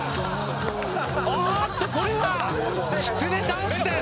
おっとこれはきつねダンスです。